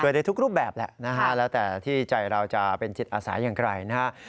เผื่อได้ทุกรูปแบบแหละแล้วแต่ที่ใจเราจะเป็นจิตอาสาอย่างไกล